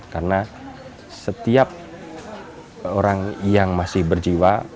karena setiap orang yang masih berjiwa